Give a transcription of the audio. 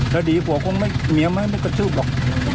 ถ้าดีหรือเปล่าก็ไม่เมียมาให้มันกระทืบหรอก